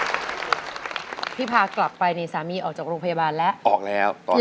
แล้วตอนนี้พี่พากลับไปในสามีออกจากโรงพยาบาลแล้วแล้วตอนนี้จะมาถ่ายรายการ